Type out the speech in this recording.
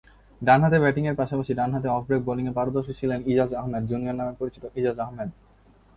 ডানহাতে ব্যাটিংয়ের পাশাপাশি ডানহাতে অফ ব্রেক বোলিংয়ে পারদর্শী ছিলেন ইজাজ আহমেদ জুনিয়র নামে পরিচিত ইজাজ আহমেদ।